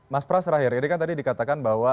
mas pras terakhir ini kan tadi dikatakan bahwa